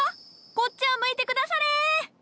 こっちを向いて下され。